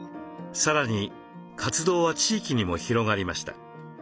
さらに活動は地域にも広がりました。